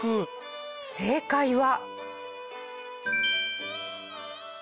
正解は。